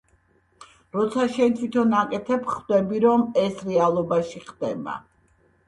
როცა შენ თვითონ აკეთებ, ხვდები, რომ ეს რეალობაში ხდება.